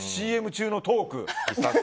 ＣＭ中のトーク。